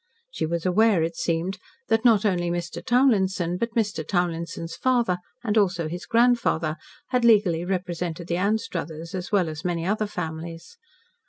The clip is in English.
She was aware, it seemed, that not only Mr. Townlinson, but Mr. Townlinson's father, and also his grandfather, had legally represented the Anstruthers, as well as many other families.